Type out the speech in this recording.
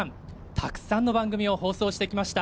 たくさんの番組を放送してきました。